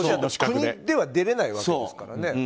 国では出れないわけですからね。